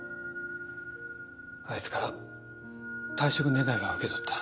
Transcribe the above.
あいつから退職願は受け取った。